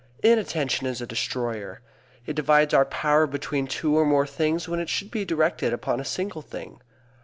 Inattention is a destroyer. It divides our power between two or more things when it should be directed upon a single thing.